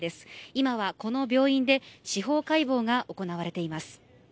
今はこの病院で司法解剖が行われています。